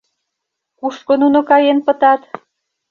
Кушко нуно каен пытат?